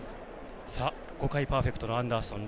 ５回パーフェクトのアンダーソン。